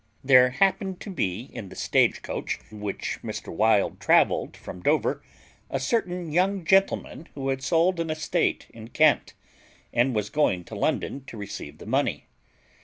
There happened to be in the stage coach in which Mr. Wild travelled from Dover a certain young gentleman who had sold an estate in Kent, and was going to London to receive the money.